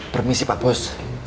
permisi pak bos